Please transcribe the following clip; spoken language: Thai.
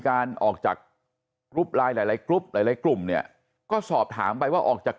การออกจากกรุ๊ปไลน์หลายกรุ๊ปหลายกลุ่มเนี่ยก็สอบถามไปว่าออกจาก